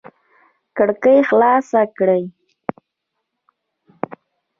کړکۍ خلاص کړئ